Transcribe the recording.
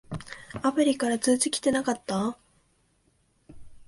アプリから通知きてなかった？